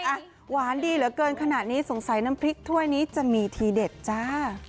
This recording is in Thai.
อ่ะหวานดีเหลือเกินขนาดนี้สงสัยน้ำพริกถ้วยนี้จะมีทีเด็ดจ้า